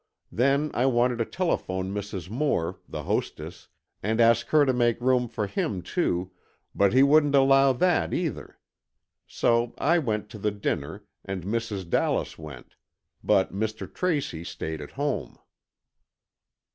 Then I wanted to telephone Mrs. Moore, the hostess, and ask her to make room for him, too, but he wouldn't allow that, either. So I went to the dinner, and Mrs. Dallas went, but Mr. Tracy stayed at home."